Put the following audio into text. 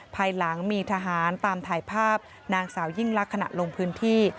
ภายหลังมีทหารตามถ่ายภาพนางสาวยิ่งลักษณ์ขณะลงพื้นที่